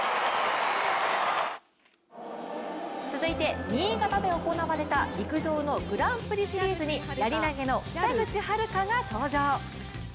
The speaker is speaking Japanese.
続いて新潟で行われた陸上のグランプリシリーズにやり投の北口榛花が登場。